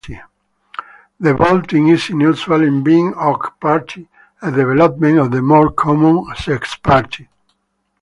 The vaulting is unusual in being octpartite, a development of the more common sexpartite.